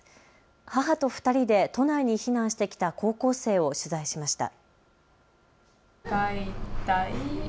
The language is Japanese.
母と２人で都内に避難してきた高校生を取材しました。